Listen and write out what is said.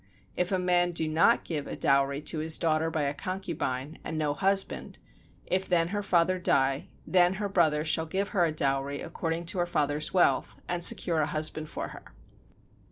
If a man do not give a dowry to his daughter by a concubine, and no husband; if then her father die then her brother shall give her a dowry according to her father's wealth and secure a husband for her.